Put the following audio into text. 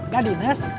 gak di nest